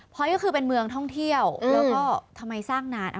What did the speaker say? พอยก็คือเป็นเมืองท่องเที่ยวแล้วก็ทำไมสร้างนาน